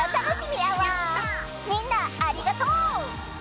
みんなありがとう！